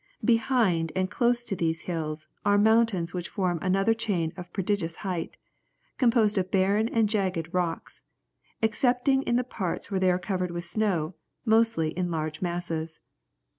Behind and close to these hills, are mountains which form another chain of prodigious height, composed of barren and jagged rocks, excepting in the parts where they are covered with snow, mostly in large masses.